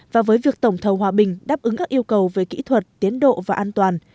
và với việc tổng thầu hòa bình đáp ứng các yêu cầu về kỹ thuật tiến độ và an toàn